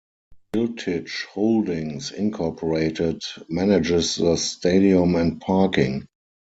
Ilitch Holdings, Incorporated manages the stadium and parking.